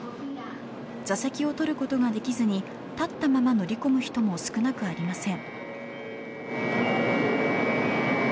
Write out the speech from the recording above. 座席を取ることができずに立ったまま乗り込む人も少なくありません。